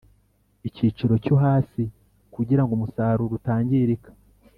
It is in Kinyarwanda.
igiciro cyo hasi kugira ngo umusaruro utangirika